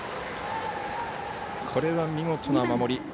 これは、見事な守り。